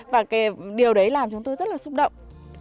và cái điều đấy làm chúng tôi rất là xúc động